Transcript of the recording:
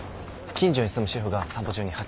近所に住む主婦が散歩中に発見。